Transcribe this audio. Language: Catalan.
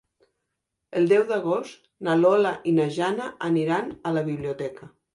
El deu d'agost na Lola i na Jana aniran a la biblioteca.